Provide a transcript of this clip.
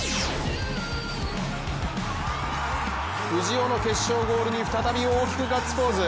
藤尾の決勝ゴールに再び大きくガッツポーズ。